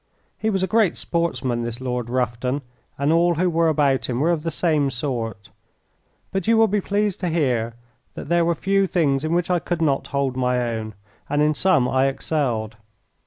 He was a great sportsman, this Lord Rufton, and all who were about him were of the same sort. But you will be pleased to hear that there were few things in which I could not hold my own, and in some I excelled.